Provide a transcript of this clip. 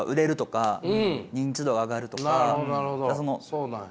そうなんや。